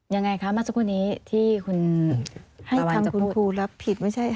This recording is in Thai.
ยังไงคะมาสักวันนี้ที่คุณประวันจะพูด